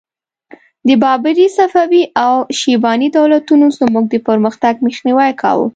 د بابري، صفوي او شیباني دولتونو زموږ د پرمختګ مخنیوی کاوه.